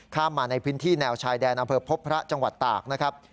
มาในพื้นที่แนวชายแดนอำเภอพบพระจังหวัดตากนะครับ